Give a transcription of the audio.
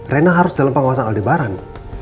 rena harus dalam pengawasan lebaran